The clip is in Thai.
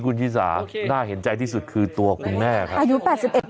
คุณชิสาน่าเห็นใจที่สุดคือตัวคุณแม่ครับอายุแปดสิบเอ็ด